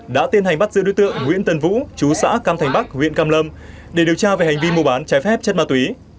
đã tiên hành bắt giữ đối tượng nguyễn tân vũ chú xã cam thành bắc huyện cam lâm để điều tra về hành vi mua bán trái phép chất ma túy